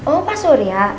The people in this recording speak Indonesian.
oh pak surya